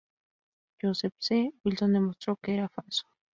Joseph C. Wilson demostró que era falso.